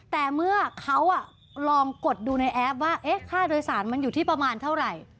แต่เมื่อเขาลองกดดูในแอปว่าค่าโดยสารมันอยู่ที่ประมาณเท่าไหร่